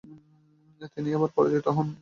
তিনি আবার পরাজিত হন।